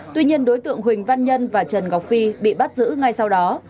tuy nhiên đối tượng huỳnh văn nhân và trần ngọc phi bị bắt giữ ngay sau đó